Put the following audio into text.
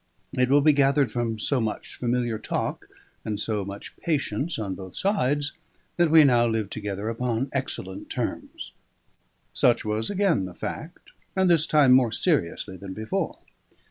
It will be gathered from so much familiar talk, and so much patience on both sides, that we now lived together upon excellent terms. Such was again the fact, and this time more seriously than before.